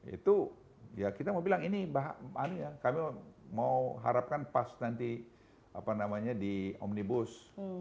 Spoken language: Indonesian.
itu ya kita mau bilang ini kami mau harapkan pas nanti apa namanya di omnibus